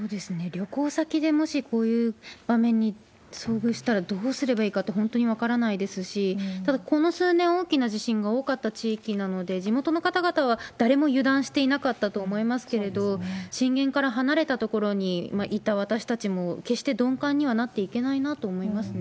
旅行先でもしこういう場面に遭遇したらどうすればいいかって、本当に分からないですし、ただ、この数年、大きな地震が多かった地域なので、地元の方々は誰も油断していなかったと思いますけれど、震源から離れた所にいた私たちも決して鈍感にはなっていけないなと思いますね。